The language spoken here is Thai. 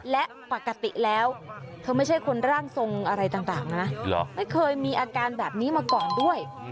และปกติแล้วเธอไม่ใช่คนร่างทรงอะไรต่างนะไม่เคยมีอาการแบบนี้มาก่อนด้วย